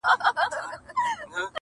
• زه و خدای چي زړه و تن مي ټول سوځېږي..